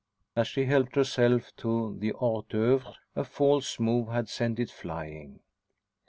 As she helped herself to the hors d'oeuvres a false move had sent it flying.